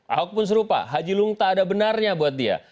ahok pun serupa haji lulung tak ada benarnya buat dia